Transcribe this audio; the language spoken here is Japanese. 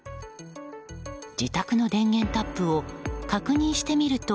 自宅の電源タップを確認してみると